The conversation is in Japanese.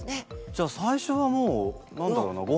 じゃあ最初はもう何だろうなあっ